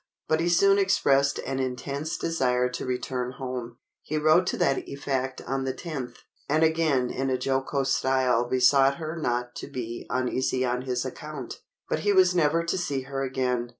But he soon expressed an intense desire to return home. He wrote to that effect on the 10th, and again in a jocose style besought her not to be uneasy on his account. But he was never to see her again.